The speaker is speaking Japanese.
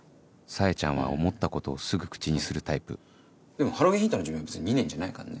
サエちゃんは思ったことをすぐ口にするタイプでもハロゲンヒーターの寿命は別に２年じゃないからね。